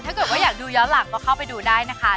ถ้าเกิดว่าอยากดูย้อนหลังก็เข้าไปดูได้นะคะ